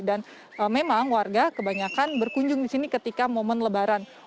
dan memang warga kebanyakan berkunjung di sini ketika momen lebaran